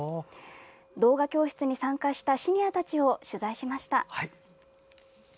動画教室に参加したシニアたちを取材しました。